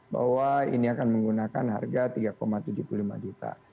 bahwa ini akan menggunakan harga tiga tujuh puluh lima juta